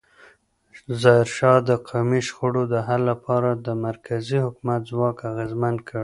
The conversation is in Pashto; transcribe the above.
ظاهرشاه د قومي شخړو د حل لپاره د مرکزي حکومت ځواک اغېزمن کړ.